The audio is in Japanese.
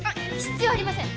必要ありません